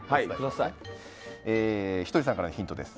ひとりさんからのヒントです。